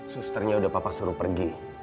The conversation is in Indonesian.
susternya udah papa suruh pergi